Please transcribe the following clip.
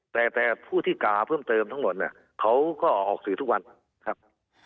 แต่ผู้ที่กล่าวเพิ่มเติมทั้งหมดเนี่ยเขาก็ออกสื่อทุกวันครับ